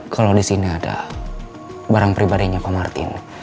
kalau di sini ada barang pribadinya pak martin